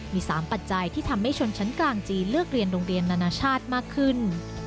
มี๓ปัจจัยที่ทำให้ชนชั้นกลางจีนเลือกเรียนโรงเรียนนานาชาติมากขึ้น